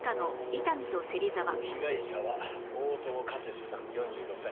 被害者は大友勝治さん４６歳。